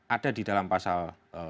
ada di dalam pasal